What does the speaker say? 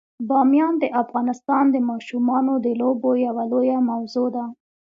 بامیان د افغانستان د ماشومانو د لوبو یوه لویه موضوع ده.